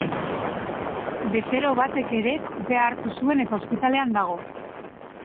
Bezero batek ere kolpea hartu zuen eta ospitalean dago.